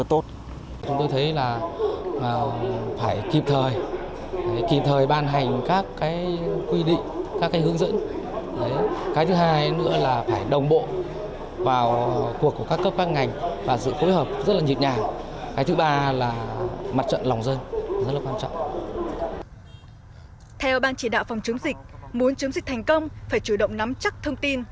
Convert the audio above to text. theo ban chỉ đạo phòng chống dịch muốn chống dịch thành công phải chủ động nắm chắc thông tin